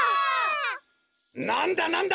なんだなんだ？